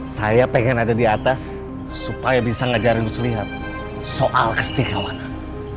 saya pengen ada di atas supaya bisa ngajarin selihat soal kestikawanan